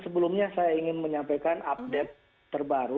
sebelumnya saya ingin menyampaikan update terbaru